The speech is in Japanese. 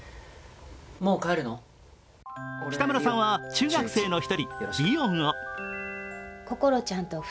北村さんは中学生の１人、リオンを。